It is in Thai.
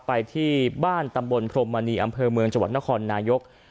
ไปที่บ้านตำบลพรมมณีอำเภอเมืองจังหวัดนครนายก